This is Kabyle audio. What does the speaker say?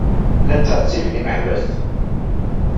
Llan ttɛettiben imeḥbas.